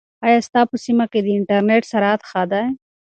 ایا ستا په سیمه کې د انټرنیټ سرعت ښه دی؟